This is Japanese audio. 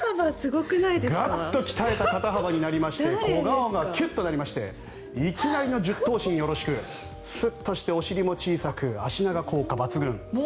ガッと鍛えた肩幅になって小顔がきゅっとなりましていきなりの１０等身よろしくスッとして、お尻も小さく足長効果抜群。